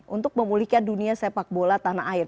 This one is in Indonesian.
untuk memulihkan dunia sepak bola tanah air